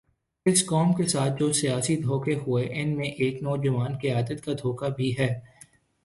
اس قوم کے ساتھ جو سیاسی دھوکے ہوئے، ان میں ایک نوجوان قیادت کا دھوکہ بھی ہے۔